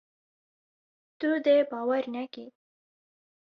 Tu dê bawer nekî.